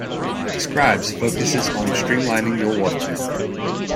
Scribes focuses on streamlining your workflow.